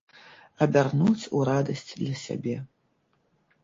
Абярнуць у радасць для сябе.